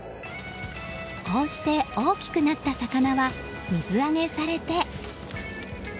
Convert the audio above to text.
こうして大きくなった魚は水揚げされて。